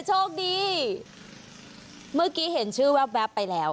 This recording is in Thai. โชคดีเมื่อกี้เห็นชื่อแว๊บไปแล้ว